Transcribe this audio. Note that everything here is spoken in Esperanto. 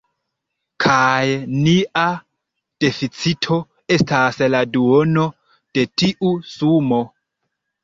Kaj nia deficito estas la duono de tiu sumo.